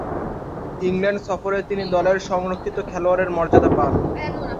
England সফরে তিনি দলের সংরক্ষিত খেলোয়াড়ের মর্যাদা পান।